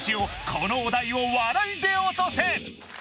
このお題を笑いでオトせ！